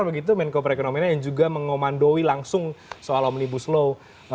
begitu menko perekonomian yang juga mengomandoi langsung soal omnibus law